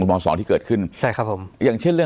สวัสดีครับทุกผู้ชม